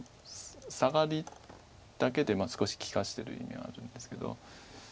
サガリだけで少し利かしてる意味あるんですけど。